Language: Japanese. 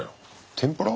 天ぷら？